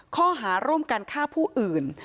ข้อหาร่วมกันฆ่าผู้อื่น